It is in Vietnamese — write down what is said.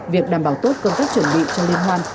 việc đảm bảo tốt công tác chuẩn bị cho liên hoan